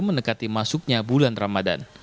mendekati masuknya bulan ramadan